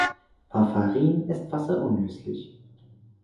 Warfarin ist wasserunlöslich.